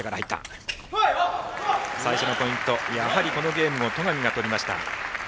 最初のポイントはこのゲームも戸上が取りました。